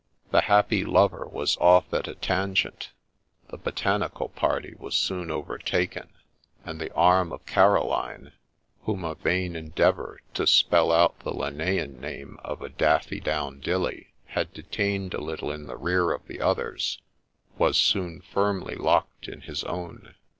The happy lover was off at a tangent ; the botanical party was soon overtaken ; and the arm of Caroline, whom a vain endeavour to spell out the Linnaean name of a daffy do wn dilly had detained a little in the rear of the others, was soon fifmly locked in his own.